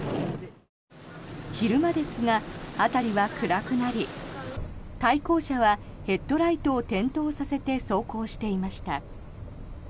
昼間ですが辺りは暗くなり対向車はヘッドライトを点灯させて走行していました。